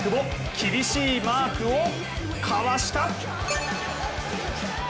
厳しいマークをかわした。